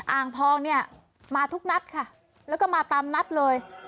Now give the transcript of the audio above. อ่างทองเนี่ยมาทุกนัดค่ะแล้วก็มาตามนัดเลย